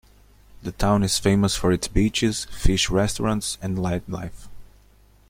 The town is famous for its beaches, fish restaurants and nightlife.